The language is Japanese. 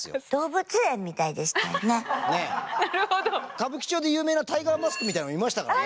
歌舞伎町で有名なタイガーマスクみたいなのいましたからね。